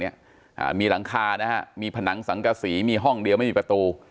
อ่ามีหลังคานะฮะมีผนังสังกษีมีห้องเดียวไม่มีประตู